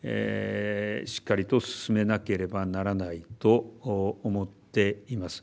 しっかりと進めなければならないと思っています。